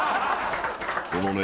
このね